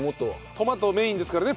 トマトメインですからね。